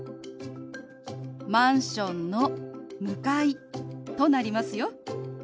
「マンションの向かい」となりますよ。